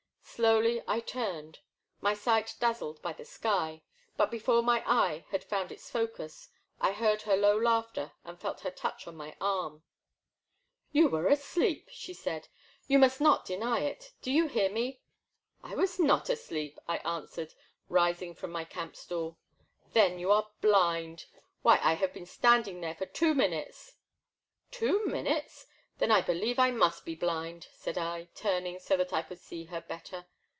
Slowly I turned, my sight dazzled by the sky, but before my^ eye had found its focus I heard her low laughter and felt her touch on my arm« The Black Water. 157 You were adeep," she said, '* you must not deny it, do you hear me ?"I was not asleep," I answered, rising from my camp stool. '* Then you are blind, — ^why I have been stand ing there for two minutes.*' Two minutes? then I believe that I must be blind," said I, turning so that I could see her better.